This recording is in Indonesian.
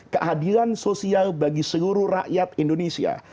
keadilan sosial bagi seluruh rakyat indonesia